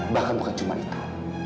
bahkan bukan cuma itu